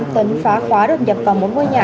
tuấn phá khóa đột nhập vào một ngôi nhà